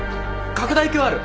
拡大鏡ある？